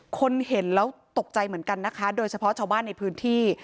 คนเห็นแล้วตกใจเหมือนกันนะคะโดยเฉพาะชาวบ้านในพื้นที่